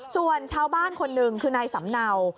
ส่วนชาวบ้านคนหนึ่งคือนายสำเนา